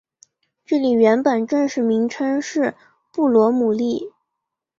这里原本正式名称是布罗姆利。